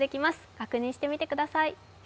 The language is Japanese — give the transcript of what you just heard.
確認してみてください！